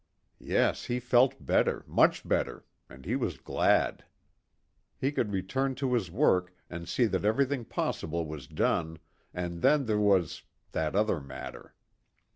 Yes, he felt better much better, and he was glad. He could return to his work, and see that everything possible was done, and then there was that other matter.